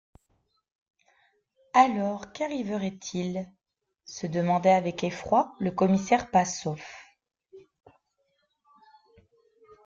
Alors qu’arriverait-il? se demandait avec effroi le commissaire Passauf.